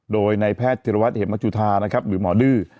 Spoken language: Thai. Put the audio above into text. โดยในแพทย์ธิรวัตรเหมจุธานะครับหรือหมอดื้อ